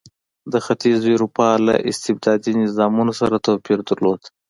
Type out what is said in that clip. د ختیځې اروپا له استبدادي نظامونو سره توپیر درلود.